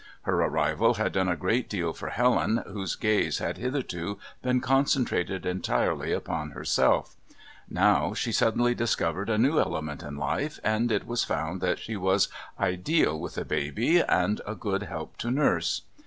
Her arrival had done a great deal for Helen, whose gaze had hitherto been concentrated entirely upon herself; now she suddenly discovered a new element in life, and it was found that she was "ideal with a baby" and "a great help to nurse."